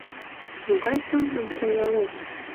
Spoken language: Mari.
Могай сылнын коялеш